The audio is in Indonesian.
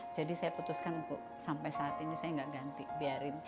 jadi saya putuskan sampai saat ini saya tidak ganti